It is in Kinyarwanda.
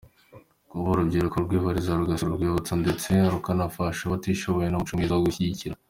Kuba urubyiruko rwibwiriza rugasura urwibutso ndetse rukanafasha abatishoboye ni umuco mwiza wo gushyigikirwa.